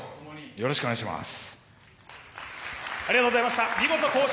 よろしくお願いします。